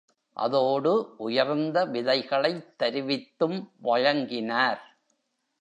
அதோடு உயர்ந்த விதைகளைத் தருவித்தும் வழங்கினார்.